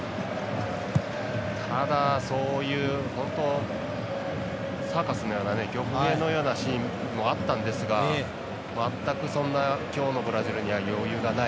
ただ、そういうサーカスのような曲芸のようなシーンもあったんですが全くそんな今日のブラジルには余裕がない。